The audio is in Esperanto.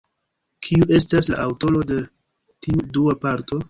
Kiu estas la aŭtoro de tiu dua parto?